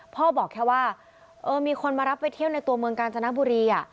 บอกแค่ว่ามีคนมารับไปเที่ยวในตัวเมืองกาญจนบุรี